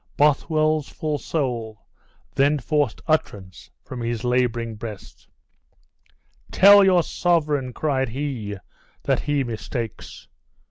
Bothwell's full soul then forced utterance from his laboring breast: "Tell your sovereign," cried he, "that he mistakes.